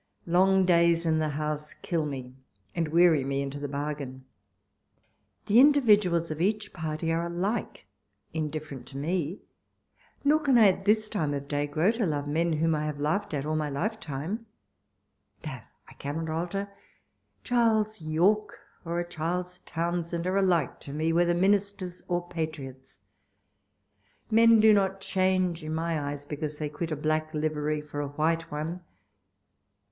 Long days in the House kill me, and weary me into the bargain. The individuals of each party are alike indifferent to me ; nor can I at this time of day grow to love men whom I have laughed at all my lifetime — no, I cannot alter — Charles Yorke or a Charles Townshend are alike to me, whether ministers or patriots. Men do not change in my eyes, because they quit a black livery for a white one.